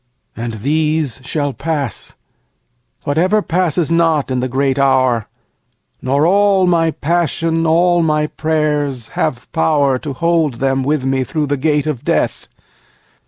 And these shall pass, Whatever passes not, in the great hour, Nor all my passion, all my prayers, have power To hold them with me through the gate of Death.